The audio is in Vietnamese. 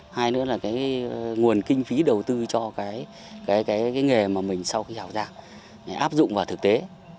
hai nữa là cái nguồn kinh phí đầu tư cho cái nghề mà mình sau khi học ra để áp dụng vào thực tế